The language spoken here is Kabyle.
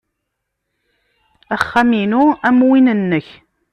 Axxam-inu am win-nnek.